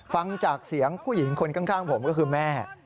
ฟังจากเสียงผู้หญิงคนข้างผมก็คือแม่